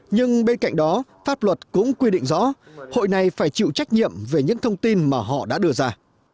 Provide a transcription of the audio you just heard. nhưng bên cạnh đó pháp luật cũng quy định rõ hội này phải chịu trách nhiệm về những thông tin mà họ đã đưa ra